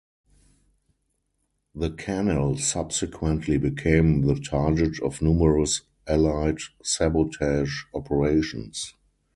The canal subsequently became the target of numerous Allied sabotage operations.